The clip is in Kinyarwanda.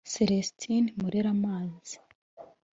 Celestin Mureramanzi